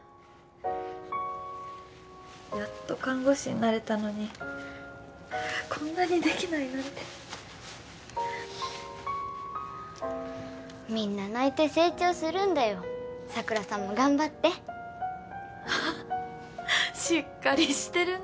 やっと看護師になれたのにこんなにできないなんてみんな泣いて成長するんだよ佐倉さんも頑張ってしっかりしてるね